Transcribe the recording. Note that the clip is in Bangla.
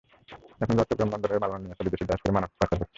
এখন চট্টগ্রাম বন্দরে মালামাল নিয়ে আসা বিদেশি জাহাজে করে মানব পাচার হচ্ছে।